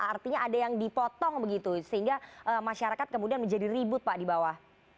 artinya ada yang dipotong begitu sehingga masyarakat kemudian menjadi ribut pak di bawah